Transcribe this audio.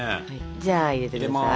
じゃあ入れて下さい。